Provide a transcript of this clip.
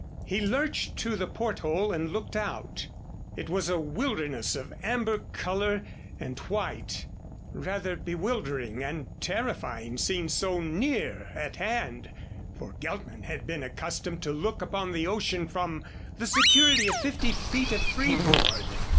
He lurched to the porthole and looked out. It was a wilderness of amber color and white, rather bewildering and terrifying seen so near at hand, for Geltman had been accustomed to look upon the ocean from the security of fifty feet of freeboard.